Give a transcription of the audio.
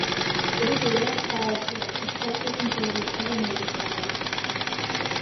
It is a rare style today, especially compared with the other major styles.